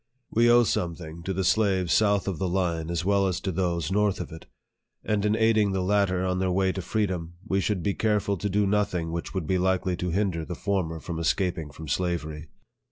We owe something to the slaves south of the line as well as to those north of it ; and in aiding the latter on their way to freedom, we should be careful to do nothing which would be likely to hinder the former from escaping from slavery.